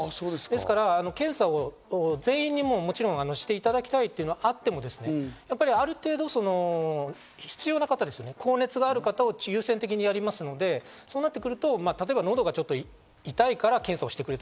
ですから検査を全員に、もちろんしていただきたいというのはあっても、ある程度必要な方に高熱がある方を優先的にやりますので、そうなってくると喉が痛いから検査をします。